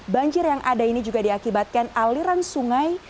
banjir yang ada ini juga diakibatkan aliran sungai